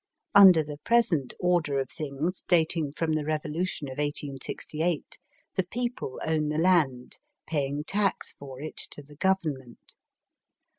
Under the present order of things, dating from the revolution of 1868, the people own the land, paying tax for it to the Government.